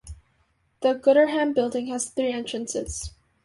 The Gooderham Building has three entrances.